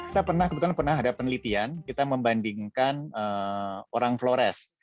kita kebetulan pernah ada penelitian kita membandingkan orang flores